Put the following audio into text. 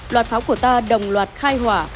loạt pháo của ta đồng loạt khai hỏa